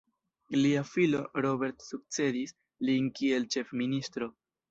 Lia filo Robert sukcedis lin kiel ĉef-ministro.